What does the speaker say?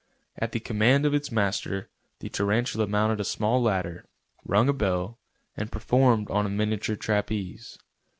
At the command of its master the tarantula mounted a small ladder, rung a bell and performed on a miniature trapeze.